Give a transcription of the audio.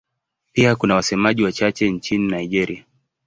Pia kuna wasemaji wachache nchini Nigeria.